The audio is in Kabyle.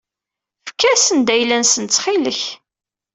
Efk-asen-d ayla-nsen ttxil-k.